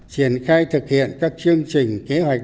triển khai thực hiện các chương trình kế hoạch